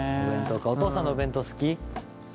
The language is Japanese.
お父さんのお弁当好き？